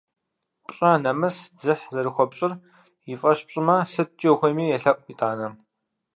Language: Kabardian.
Пщӏэ, нэмыс, дзыхь зэрыхуэпщӏыр и фӏэщ пщӏымэ, сыткӏэ ухуейми елъэӏу итӏанэ.